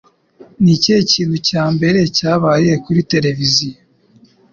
ni ikihe kintu cya mbere cyabaye kuri televiziyo?